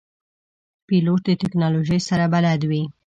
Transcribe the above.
پیلوټ د تکنالوژۍ سره بلد وي.